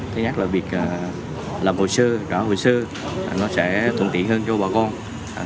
thứ nhất là việc làm hồi sơ trả hồi sơ nó sẽ tổn thị hơn cho bà con